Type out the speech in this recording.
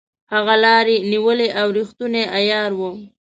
هغه لاري نیولې او ریښتونی عیار وو.